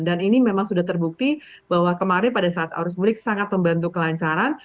dan ini memang sudah terbukti bahwa kemarin pada saat arus mudik sangat membantu kelancaran